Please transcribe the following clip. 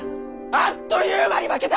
あっという間に負けた！